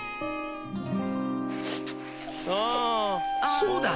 「そうだ！」